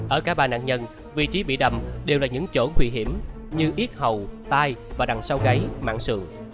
ở cả ba nạn nhân vị trí bị đâm đều là những chỗ nguy hiểm như yếp hậu tai và đằng sau gáy mạng sườn